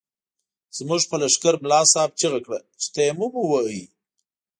زموږ په لښکر ملا صاحب چيغه کړه چې تيمم ووهئ.